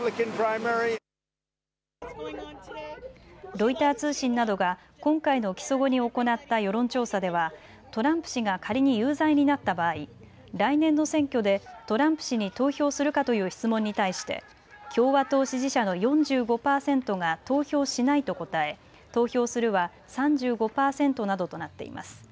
ロイター通信などが今回の起訴後に行った世論調査ではトランプ氏が仮に有罪になった場合、来年の選挙でトランプ氏に投票するかという質問に対して共和党支持者の４５％が投票しないと答え投票するは３５％などとなっています。